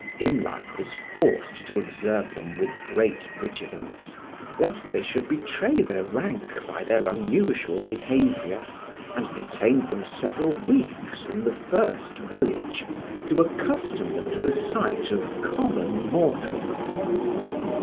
Imlac was forced to observe them with great vigilance, lest they should betray their rank by their unusual behaviour, and detained them several weeks in the first village to accustom them to the sight of common mortals.